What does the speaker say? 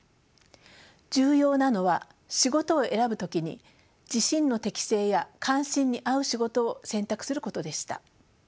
重要なのは仕事を選ぶ時に自身の適性や関心に合う仕事を選択することでした。